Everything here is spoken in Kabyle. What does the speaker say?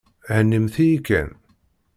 Hennimt-yi kan.